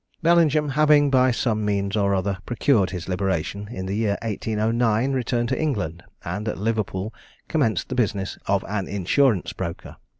Bellingham having, by some means or other, procured his liberation, in the year 1809 returned to England, and at Liverpool commenced the business of an insurance broker.